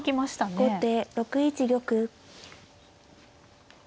後手６一玉。